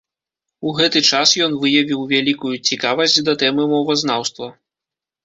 У гэты час ён выявіў вялікую цікавасць да тэмы мовазнаўства.